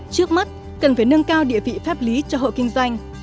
trước mắt cần phải nâng cao địa vị pháp lý cho hộ kinh doanh